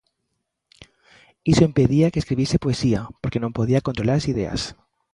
Iso impedía que escribise poesía, porque non podía controlar as ideas.